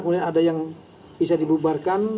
kemudian ada yang bisa dibubarkan